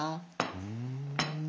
うん。